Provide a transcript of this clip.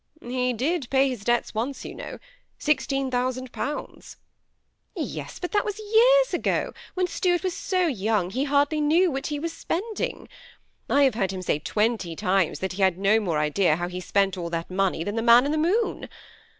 " He did pay his debts once, you know, £16,000." ^' Yes, but that was years ago ; when Stuart was so young he hardly knew what he was spending. I have heard him say twenty times that he had no more idea how he spent all that money, than the man in the moon.